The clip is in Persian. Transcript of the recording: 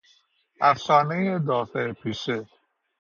افشانهی دافع پشه